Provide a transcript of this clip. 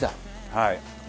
はい。